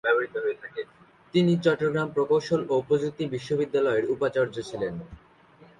তিনি চট্টগ্রাম প্রকৌশল ও প্রযুক্তি বিশ্ববিদ্যালয়ের উপাচার্য ছিলেন।